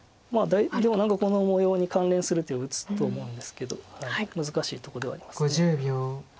でも何かこの模様に関連する手を打つと思うんですけど難しいとこではあります。